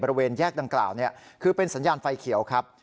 บริเวณแยกดังกล่าวคือเป็นสัญญาณไฟเขียวครับ